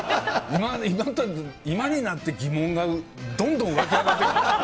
今になって疑問が、どんどん湧き上がってきた。